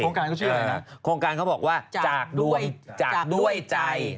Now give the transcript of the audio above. การเขาชื่ออะไรนะโครงการเขาบอกว่าจากดวงจากด้วยใจ